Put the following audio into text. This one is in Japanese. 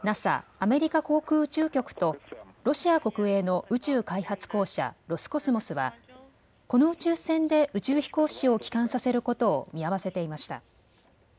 ・アメリカ航空宇宙局とロシア国営の宇宙開発公社、ロスコスモスはこの宇宙船で宇宙飛行士を帰還させることを見合わせていました。